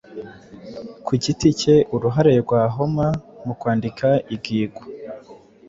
kugiti cyeUruhare rwa Homer mu kwandika igiigo